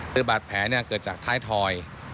คือบาดแผลเนี่ยเกิดจากท้ายทอย